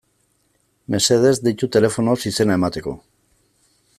Mesedez, deitu telefonoz izena emateko.